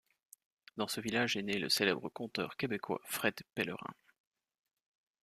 Dans ce village est né le célèbre conteur québécois Fred Pellerin.